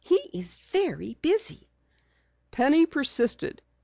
"He's very busy." Penny persisted.